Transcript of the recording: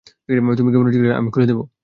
তুমি কি মনে করছিলে আমি খুলে দিব।